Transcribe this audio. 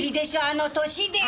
あの年で！